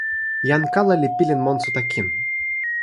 jan kala li pilin monsuta kin.